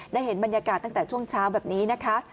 ได้เห็นบรรยากาศตั้งแต่ช่วงเช้าแบบนี้นะคะ